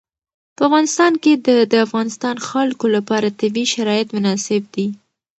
په افغانستان کې د د افغانستان خلکو لپاره طبیعي شرایط مناسب دي.